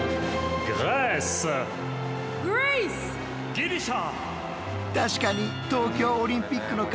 「ギリシャ」。